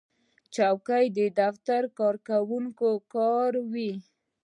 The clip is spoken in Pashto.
چوکۍ د دفتر کارکوونکي کاروي.